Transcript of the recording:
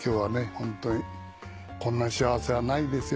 ホントにこんな幸せはないですよ。